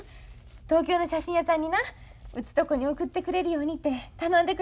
東京の写真屋さんになうちとこに送ってくれるようにって頼んでくれはったんや。